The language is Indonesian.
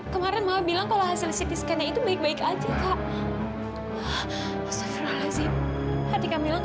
kemarin mama bilang kalau hasil ct scan yang itu baik baik aja kak milan